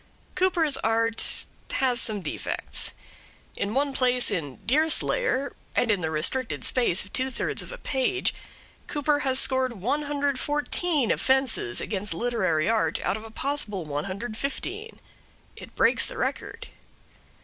Cooper's art has some defects. In one place in 'Deerslayer,' and in the restricted space of two thirds of a page, Cooper has scored 114 offences against literary art out of a possible 115. It breaks the record.